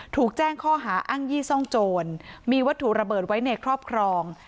ถูกแจ้งข้อหาอ้างยี่ซ่องโจรมีวัตถุระเบิดไว้ในครอบครอง